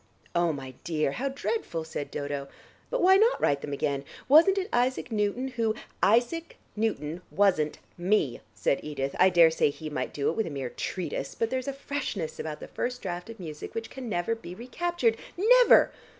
"Oh, my dear, how dreadful!" said Dodo. "But why not write them again? Wasn't it Isaac Newton, who " "Isaac Newton, wasn't me," said Edith. "I daresay he might do it with a mere treatise, but there's a freshness about the first draft of music which can never be recaptured. Never!